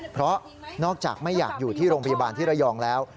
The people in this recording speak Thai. เพราะนอกจากไม่อยากอยู่ที่โรงพยาบาลที่ระยองแล้ว